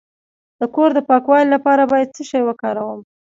د کور د پاکوالي لپاره باید څه شی وکاروم؟